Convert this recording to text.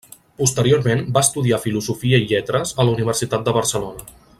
Posteriorment va estudiar Filosofia i Lletres a la Universitat de Barcelona.